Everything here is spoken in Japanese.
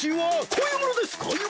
こういうものですか？